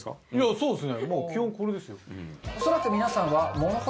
そうですね